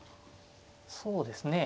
そうですねはい。